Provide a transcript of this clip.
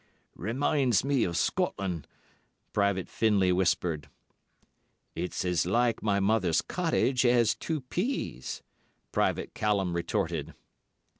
"Reminds me of Scotland," Private Findlay whispered. "It's as like my mother's cottage as two peas," Private Callum retorted.